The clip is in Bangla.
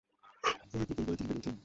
দরিদ্র পরিবারে তিনি বেড়ে ওঠেন।